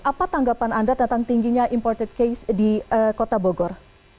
apa tanggapan anda tentang tingginya imported case di kota bogor